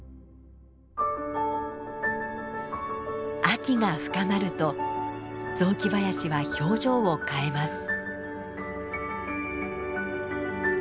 秋が深まると雑木林は表情を変えます。